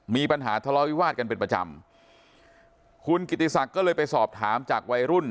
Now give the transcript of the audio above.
มีปัญหาทะเลาวิวาสกันเป็นประจำคุณกิติศักดิ์ก็เลยไปสอบถามจากวัยรุ่น